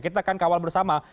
kita akan kawal bersama